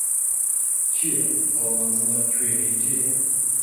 چییە ئەو مەنزڵە کوێنەی جێیە